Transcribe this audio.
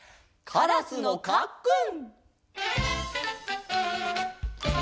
「カラスのかっくん」